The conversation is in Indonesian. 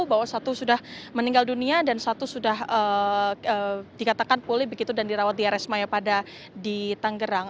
bahwa satu sudah meninggal dunia dan satu sudah dikatakan pulih begitu dan dirawat di rsmaya pada di tanggerang